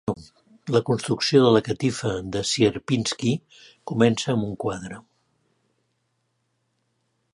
La construcció de la catifa de Sierpinski comença amb un quadre.